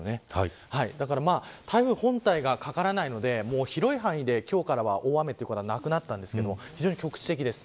台風本体がかからないので広い範囲で今日からは大雨ということがなくなりましたが、局地的です。